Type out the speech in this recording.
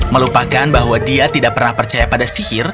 melupakan bahwa dia tidak pernah percaya pada sihir